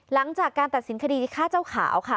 หลังจากการตัดสินคดีฆ่าเจ้าขาวค่ะ